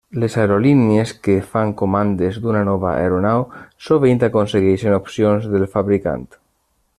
Les aerolínies que fan comandes d'una nova aeronau sovint aconsegueixen opcions del fabricant.